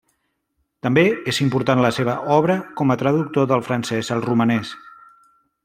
També és important la seva obra com a traductor del francès al romanès.